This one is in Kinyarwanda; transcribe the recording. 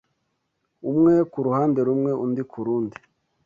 umwe ku ruhande rumwe undi ku rundi.